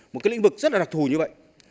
một cái lĩnh vực rất là đặc thù như vậy